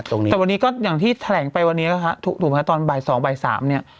ตรงนี้แต่วันนี้ก็อย่างที่แถลงไปวันนี้แล้วฮะถูกไหมฮะตอนบ่ายสองบ่ายสามเนี่ย